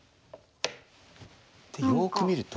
よく見ると。